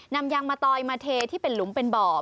นำยางมะตอยมาเทที่เป็นหลุมเป็นบ่อ